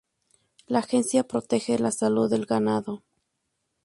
La agencia protege la salud del ganado.